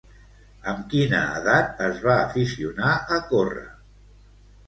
Amb quina edat es va aficionar a córrer?